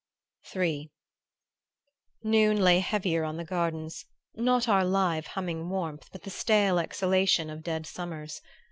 III Noon lay heavier on the gardens; not our live humming warmth but the stale exhalation of dead summers.